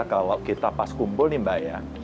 kalau kita pas kumpul nih mbak ya